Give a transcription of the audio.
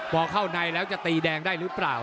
พอเข้าในแล้วจะตีแดงได้หรือเปล่า